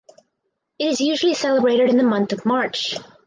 It is usually celebrated in the month of March.